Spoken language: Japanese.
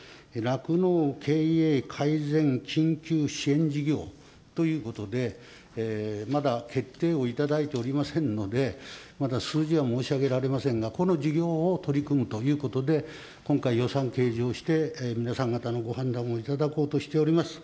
酪農経営改善緊急支援事業ということで、まだ決定をいただいておりませんので、まだ数字は申し上げられませんが、この事業を取り組むということで、今回、予算計上して、皆さん方のご判断を頂こうとしております。